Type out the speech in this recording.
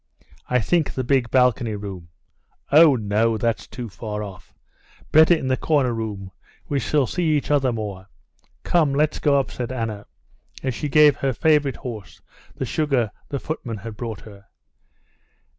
"I think the big balcony room." "Oh, no, that's too far off! Better in the corner room, we shall see each other more. Come, let's go up," said Anna, as she gave her favorite horse the sugar the footman had brought her.